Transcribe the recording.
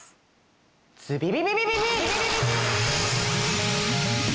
ズビビビビビビ！